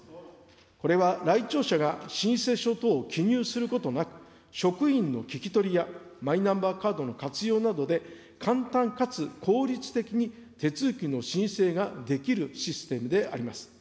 これは来庁者が、申請書等を記入することなく、職員の聞き取りやマイナンバーカードの活用などで、簡単かつ効率的に手続きの申請ができるシステムであります。